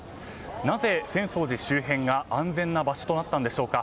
なぜ、浅草寺周辺が安全な場所となったのでしょうか。